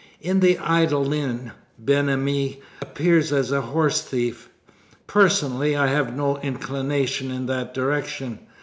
In The Idle Inn, Ben Ami appears as a horse thief. Personally, I have no inclination in that direction.